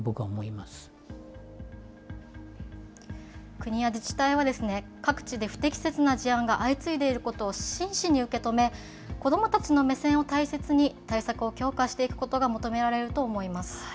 国や自治体は、各地で不適切な事案が相次いでいることを真摯に受け止め、子どもたちの目線を大切に、対策を強化していくことが求められると思い